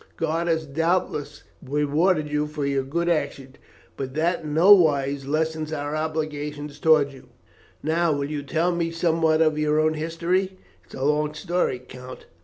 "God has doubtless rewarded you for your good action, but that in nowise lessens our obligations towards you. Now, will you tell me somewhat of your own history?" "It is a long story, Count."